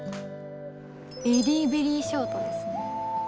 ベリーベリーショートですね。